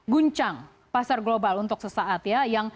guncang pasar global untuk sesaat ya